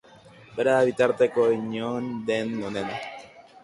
Bera da bitarteko inon den onena.